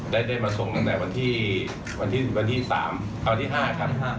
ได้ได้มาส่งตั้งแต่วันที่วันที่วันที่สามวันที่ห้าครับ